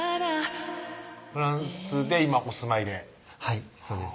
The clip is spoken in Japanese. フランスで今お住まいではいそうです